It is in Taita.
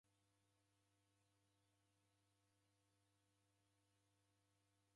Iaghi jalighisa kumerelwa.